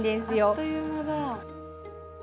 あっという間だ。